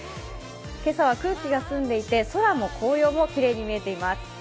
今朝は空気が澄んでいて、空も紅葉もきれいに見えています。